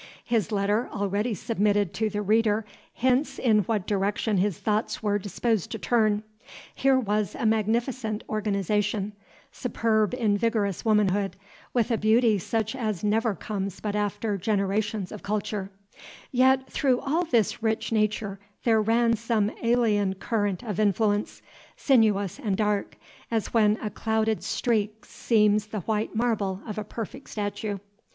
His letter already submitted to the reader hints in what direction his thoughts were disposed to turn. Here was a magnificent organization, superb in vigorous womanhood, with a beauty such as never comes but after generations of culture; yet through all this rich nature there ran some alien current of influence, sinuous and dark, as when a clouded streak seams the white marble of a perfect statue.